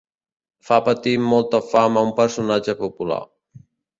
Fa patir molta fam a un personatge popular.